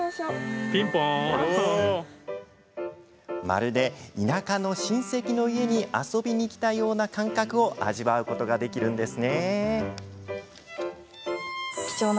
まるで田舎の親戚の家に遊びに来たような感覚を味わうことができるんです。